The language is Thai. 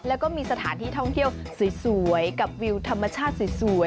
แล้วก็มีสถานที่ท่องเที่ยวสวยกับวิวธรรมชาติสวย